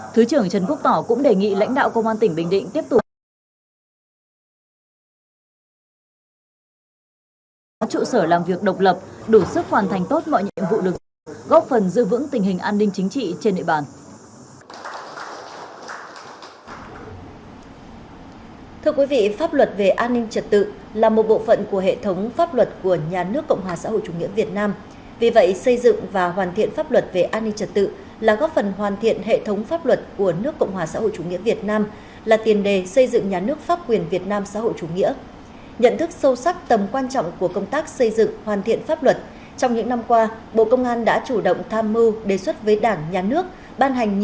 thứ trưởng trần quốc tỏ cũng đề nghị lãnh đạo công an tỉnh bình định tiếp tục đổi mới công tác xây dựng đảng gắn liền với xây dựng lực lượng công an nhân dân chính quy tình hình an ninh tổ quốc xây dựng củng cố và duy trì hiệu quả các mô hình bảo đảm tình hình an ninh tổ quốc xây dựng củng cố và duy trì hiệu quả các mô hình